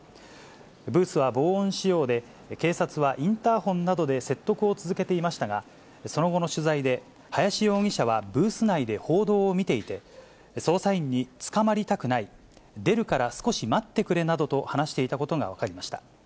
ブースは防音仕様で、警察はインターホンなどで説得を続けていましたが、その後の取材で、林容疑者はブース内で報道を見ていて、捜査員に捕まりたくない、出るから少し待ってくれなどと話していたことが分かりました。